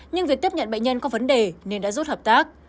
nhưng việc tiếp nhận bệnh nhân có vấn đề nên đã rút hợp tác